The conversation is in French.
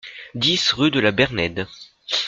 dix rue de la Bernède